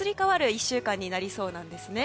１週間になりそうなんですね。